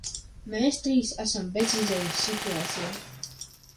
Mēs trīs esam bezizejas situācijā.